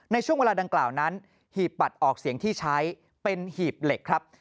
ในช่วงเวลาดังกล่าวนั้นหีบบัตรออกเสียงที่ใช้เป็นหีบเหล็กครับ